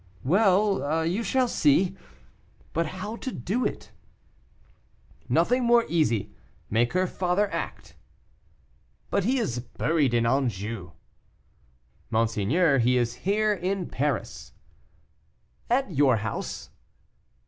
"Well, you shall see. But how to do it?" "Nothing more easy; make her father act." "But he is buried in Anjou." "Monseigneur, he is here in Paris." "At your house?"